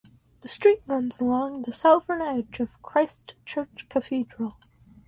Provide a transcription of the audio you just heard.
The street runs along the southern edge of Christ Church Cathedral.